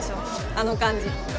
あの感じ